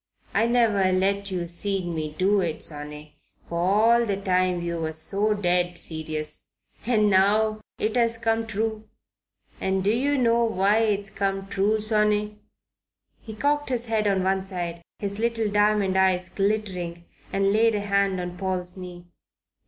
I never let yer seen me do it, sonny, for all the time you was so dead serious. And now it has come true. And d'yer know why it's come true, sonny?" He cocked his head on one side, his little diamond eyes glittering, and laid a hand on Paul's knee.